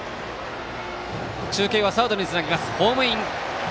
中継はサードにつないでホームイン。